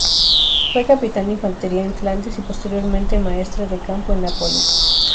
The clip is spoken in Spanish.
Fue capitán de infantería en Flandes y posteriormente maestre de campo en Nápoles.